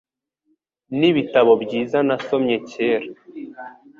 N'ibitabo byiza nasomye kera